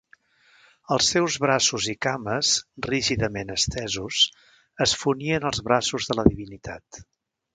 Els seus braços i cames, rígidament estesos, es fonien als braços de la divinitat.